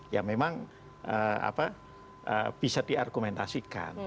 ya memang bisa diargumentasikan